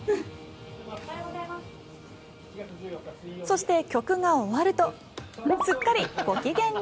そして、曲が終わるとすっかりご機嫌に。